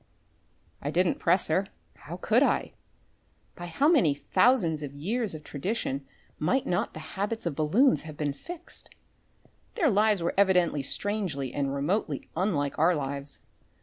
I didn't press her. How could I? By how many thousands of years of tradition might not the habits of balloons have been fixed? Their lives were evidently strangely and remotely unlike our lives.